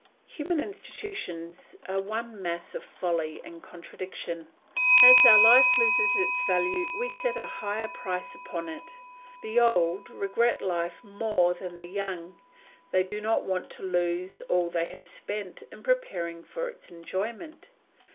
Human institutions are one mass of folly and contradiction. As our life loses its value we set a higher price upon it. The old regret life more than the young; they do not want to lose all they have spent in preparing for its enjoyment.